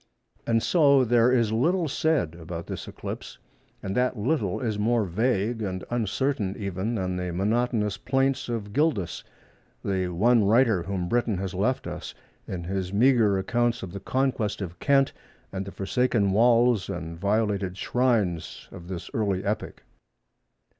And so there is little said about this eclipse, and that little is more vague and uncertain even than the monotonous plaints of Gildas—the one writer whom Britain has left us, in his meagre accounts of the conquest of Kent, and the forsaken walls and violated shrines of this early epoch."